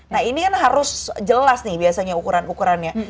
nah ini kan harus jelas nih biasanya ukuran ukurannya